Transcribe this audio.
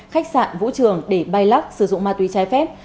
khách sạn vũ trường để bay lắc sử dụng ma túy trái phép